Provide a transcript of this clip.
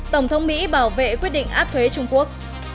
tổng thống mỹ bảo vệ quyết định áp thuế trung quốc